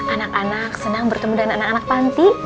anak anak senang bertemu dengan anak anak panti